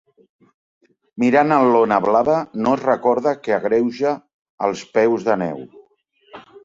Mirant en l'ona blava, no es recorda que agreuja els peus de neu.